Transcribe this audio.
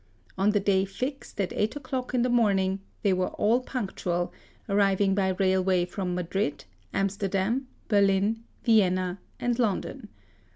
On the day fixed, at eight o'clock in the morning, they were all punctual, ar riving by railway from Madrid, Amsterdam, Berlin, Vienna, and London.